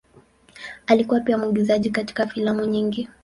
Alikuwa pia mwigizaji katika filamu nyingi.